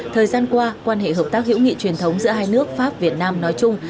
thời gian qua quan hệ hợp tác hữu nghị truyền thống giữa hai nước pháp việt nam nói chung